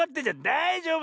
だいじょうぶよ。